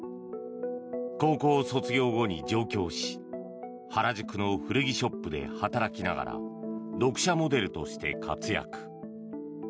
高校卒業後に上京し原宿の古着ショップで働きながら読者モデルとして活躍。